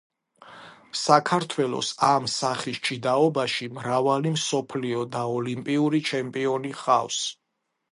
საქართველოს ამ სახის ჭიდაობაში მრავალი მსოფლიო და ოლიმპიური ჩემპიონი ჰყავს.